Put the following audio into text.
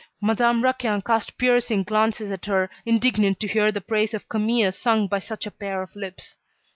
Madame Raquin cast piercing glances at her, indignant to hear the praise of Camille sung by such a pair of lips.